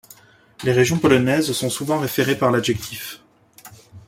Les régions polonaises sont souvent référées par l'adjectif.